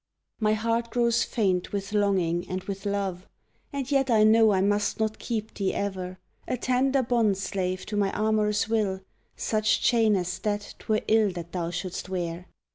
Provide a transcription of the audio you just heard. My heart grows faint with longing and with love, And yet I know I must not keep thee e'er A tender bond slave to my amorous will; Such chain as that 'twere ill that thou shouldst wear!